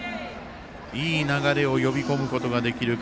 いい流れを呼び込むことができるか。